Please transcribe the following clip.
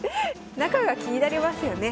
中が気になりますよね。